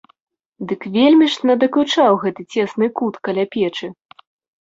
Дык вельмі ж надакучаў гэты цесны кут каля печы.